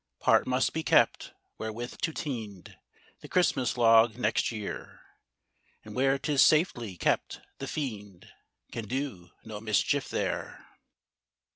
Part must be kept, wherewith to teend The Christmas log next year; And where 'tis safely kept, the fiend Can do no mischief there.